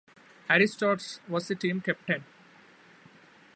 Harry Stotz was the team captain.